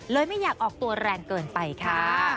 ไม่อยากออกตัวแรงเกินไปค่ะ